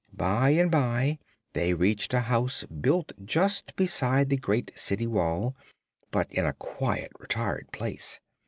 By and by they reached a house built just beside the great city wall, but in a quiet, retired place.